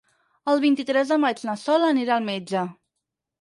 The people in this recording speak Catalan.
El vint-i-tres de maig na Sol anirà al metge.